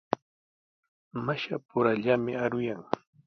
Mashapurallami aruyan.